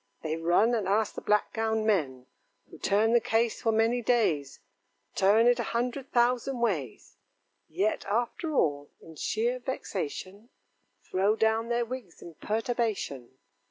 They run and ask the black gowned men, Who turn the case for many days Turn it a hundred thousand ways; Yet after all, in sheer vexation, Throw down their wigs in perturbation.